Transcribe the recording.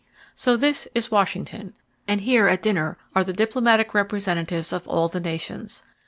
So, this is Washington! And here at dinner are the diplomatic representatives of all the nations.